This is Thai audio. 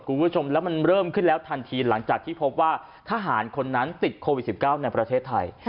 คุณผู้ชมแล้วมันเริ่มขึ้นแล้วทันทีหลังจากที่พบว่าทหารคนนั้นติดโควิด๑๙ในประเทศไทย